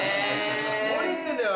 何言ってんだよ